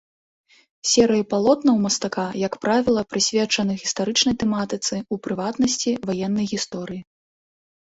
Серыі палотнаў мастака, як правіла, прысвечаны гістарычнай тэматыцы, у прыватнасці, ваеннай гісторыі.